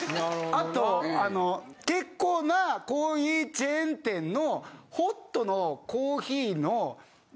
あとあの結構なコーヒーチェーン店の。